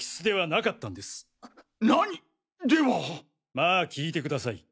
まあ聞いてください。